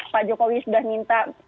pak jokowi sudah minta